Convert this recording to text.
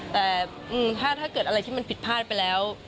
แต่ถ้าเกิดอะไรที่มันผิดพลาดไปแล้ว